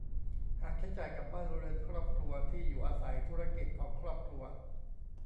หากใช้จ่ายกับบ้านเรือนครอบครัว ที่อยู่อาศัย ธุรกิจของครอบครัว